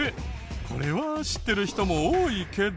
これは知ってる人も多いけど。